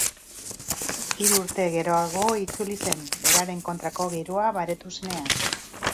Hiru urte geroago itzuli zen, beraren kontrako giroa baretu zenean.